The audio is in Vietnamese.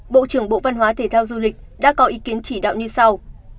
bộ trưởng bộ văn hóa thể thao du lịch đã có ý kiến chỉ đạo như sau